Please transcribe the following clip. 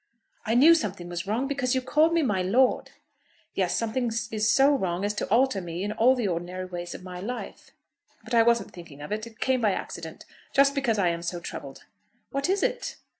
"I knew something was wrong, because you called me my Lord." "Yes, something is so wrong as to alter for me all the ordinary ways of my life. But I wasn't thinking of it. It came by accident, just because I am so troubled." "What is it?"